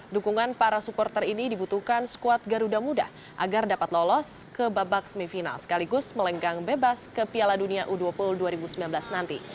dukungan para supporter ini dibutuhkan skuad garuda muda agar dapat lolos ke babak semifinal sekaligus melenggang bebas ke piala dunia u dua puluh dua ribu sembilan belas nanti